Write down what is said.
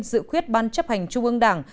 dự quyết ban chấp hành trung ương đảng